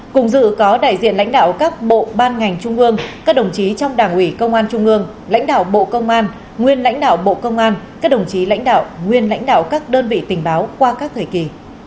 cùng dự có đại diện lãnh đạo các bộ ban ngành trung ương các đồng chí trong đảng ủy công an trung ương lãnh đạo bộ công an nguyên lãnh đạo bộ công an các đồng chí lãnh đạo nguyên lãnh đạo các đơn vị tình báo qua các thời kỳ